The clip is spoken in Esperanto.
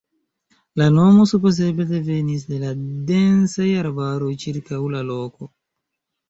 La nomo supozeble devenis de la densaj arbaroj ĉirkaŭ la loko.